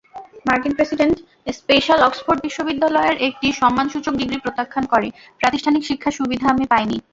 মার্কিন president special Oxford বিশ্ববিদ্যালয়ের একটি সম্মানসূচক ডিগ্রি প্রত্যাখ্যান করে—প্রাতিষ্ঠানিক শিক্ষার সুবিধা আমি পাইনি।